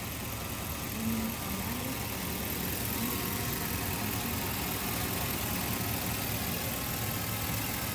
Women primarily play on a semi-professional or amateur level in the United States.